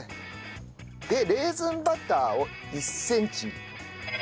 でレーズンバターを１センチ。